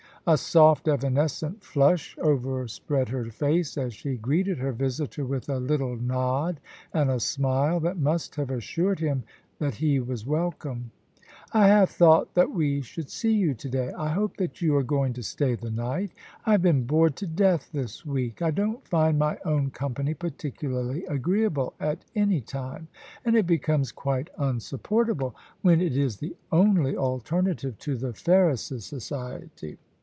A soft evanescent flush overspread her face as she greeted her visitor with a little nod and a smile that must have assured him that he was welcome. * I half thought that we should see you to day. I hope that you are going to stay the night I have been bored to death this week. I don't find my own company particularly agreeable at any time, and it becomes quite unsupportable when it is the only alternative to the Ferris's society.'